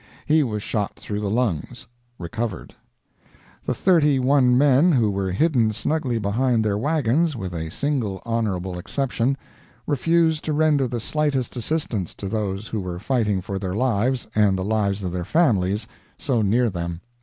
He was shot through the lungs—recovered. The thirty one men who were hidden snugly behind their wagons, with a single honorable exception, refused to render the slightest assistance to those who were fighting for their lives and the lives of their families so near them.